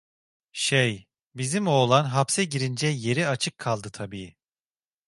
Şey, bizim oğlan hapse girince yeri açık kaldı tabii…